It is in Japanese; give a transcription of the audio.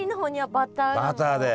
バターで。